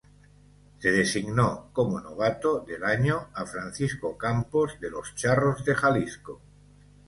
Se designó como novato del año a Francisco Campos de los Charros de Jalisco.